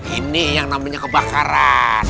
ini yang namanya kebakaran